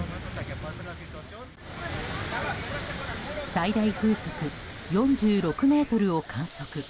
最大風速４６メートルを観測。